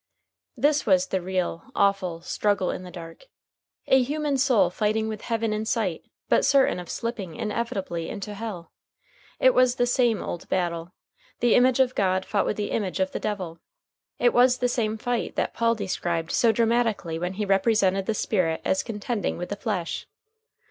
This was the real, awful "Struggle in the Dark." A human soul fighting with heaven in sight, but certain of slipping inevitably into hell! It was the same old battle. The Image of God fought with the Image of the Devil. It was the same fight that Paul described so dramatically when he represented the Spirit as contending with the Flesh.